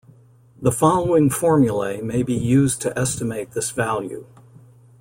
The following formulae may be used to estimate this value.